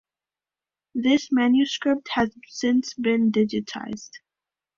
This manuscript has since been digitized.